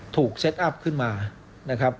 เซ็ตอัพขึ้นมานะครับ